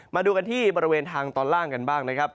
มาดูกันที่บริเวณทางตอนล่างกันบ้างนะครับ